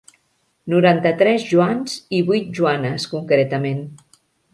Noranta-tres Joans i vuit Joanes, concretament.